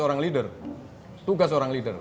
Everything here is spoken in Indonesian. orang leader tugas orang leader